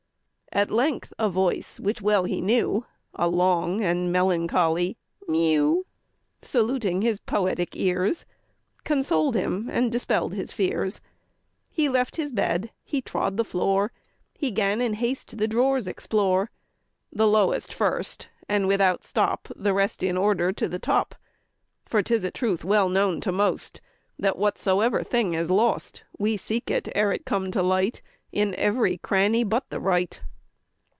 At length a voice which well he knew, A long and melancholy mew, Saluting his poetic ears, Consoled him and dispell'd his fears: He left his bed, he trod the floor, He 'gan in haste the drawers explore, The lowest first, and without stop The rest in order to the top. For 'tis a truth well known to most, That whatsoever thing is lost, We seek it, ere it come to light, In every cranny but the right.